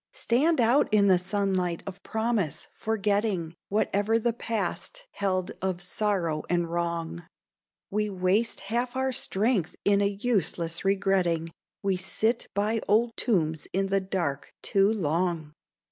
Stand out in the sunlight of promise, forgetting Whatever the past held of sorrow and wrong. We waste half our strength in a useless regretting; We sit by old tombs in the dark too long.